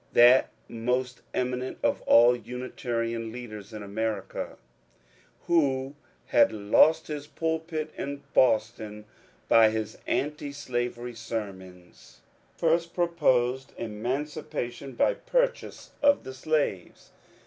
That most eminent of all Unitarian leaders in America, who had lost his pulpit in Boston by his antislavery sermons, first proposed emancipation by purchase of the slaves.